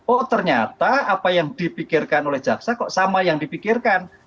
oh ternyata apa yang dipikirkan oleh jaksa kok sama yang dipikirkan